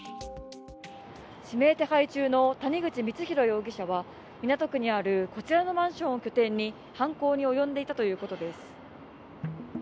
指名手配中の谷口光弘容疑者は港区にあるこちらのマンションを拠点に犯行に及んでいたということです。